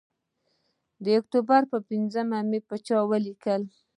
د اکتوبر پر پینځمه مې چاپه وکتلې.